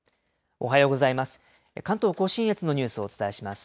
おはようございます。